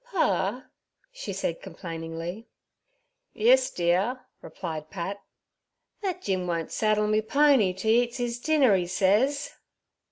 'Pa' she said complainingly. 'Yis, dea er' replied Pat. 'That Jim won't saddle me pony t' 'e eats 'is dinner, 'e says.'